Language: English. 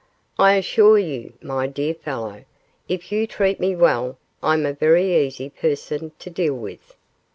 'I assure you, my dear fellow, if you treat me well, I'm a very easy person to deal with.